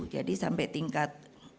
jadi sampai tingkat